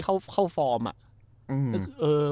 เข้ายูธรี